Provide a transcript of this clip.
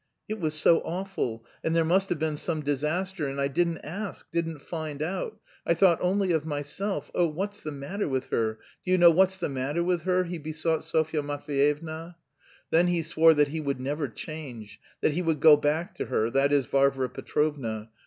"It was so awful, and there must have been some disaster and I didn't ask, didn't find out! I thought only of myself. Oh, what's the matter with her? Do you know what's the matter with her?" he besought Sofya Matveyevna. Then he swore that "he would never change," that he would go back to her (that is, Varvara Petrovna).